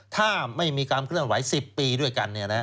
ถ้าไม่มีความเคลื่อนไหว๑๐ปีด้วยกัน